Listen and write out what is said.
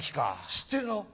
知ってるの？